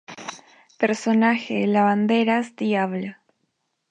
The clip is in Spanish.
Personaje lavanderas, diabla.